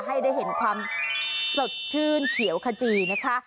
ให้ได้เห็นความสดชื่นเขียวขจีนะคะ